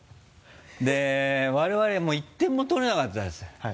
で我々もう１点も取れなかったんです。